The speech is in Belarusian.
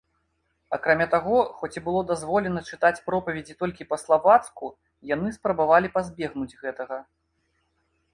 Акрамя таго, хоць і было дазволена чытаць пропаведзі толькі па-славацку, яны спрабавалі пазбегнуць гэтага.